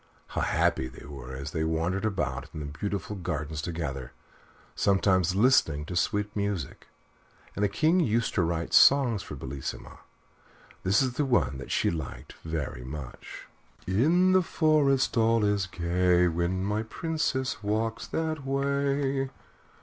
How happy they were as they wandered about in the beautiful gardens together, sometimes listening to sweet music! And the King used to write songs for Bellissima. This is one that she liked very much: In the forest all is gay When my Princess walks that way.